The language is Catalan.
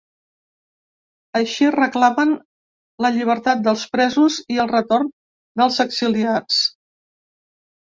Així reclamen la llibertat dels presos i el retorn dels exiliats.